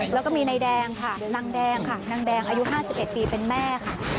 แล้วก็มีนายแดงค่ะนางแดงค่ะนางแดงอายุ๕๑ปีเป็นแม่ค่ะ